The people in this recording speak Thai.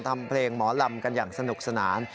ทำเพลงหมอลำกันอย่างสนุกสนาน